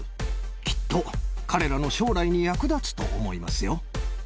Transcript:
きっと彼らの将来に役立つと思いますよ。